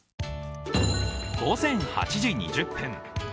午前８時２０分。